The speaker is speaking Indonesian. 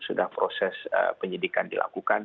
sudah proses penyidikan dilakukan